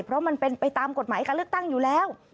เพราะมันเป็นไปตามกฎหมายการเลือกตั้งอยู่แล้ว